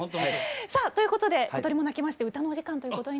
さあということで小鳥も鳴きまして歌のお時間ということになりました。